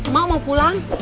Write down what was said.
mau mau pulang